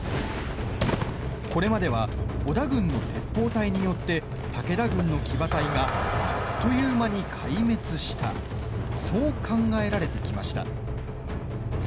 これまでは織田軍の鉄砲隊によって武田軍の騎馬隊があっという間に壊滅したそう考えられてきました。